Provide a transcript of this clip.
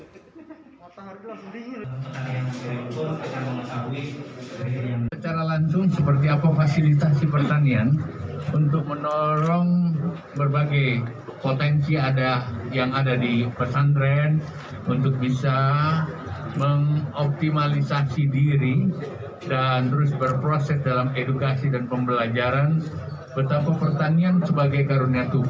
secara langsung seperti apa fasilitasi pertanian untuk menolong berbagai potensi yang ada di pesantren untuk bisa mengoptimalisasi diri dan terus berproses dalam edukasi dan pembelajaran betapa pertanian sebagai karunia tukang